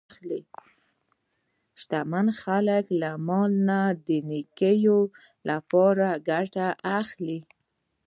شتمن خلک له مال نه د نیکۍ لپاره ګټه اخلي.